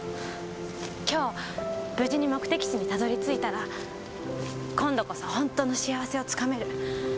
今日無事に目的地にたどり着いたら今度こそ本当の幸せをつかめる。